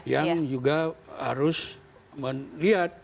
yang juga harus melihat